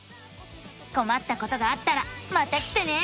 こまったことがあったらまた来てね！